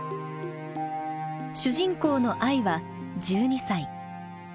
主人公のあいは１２歳。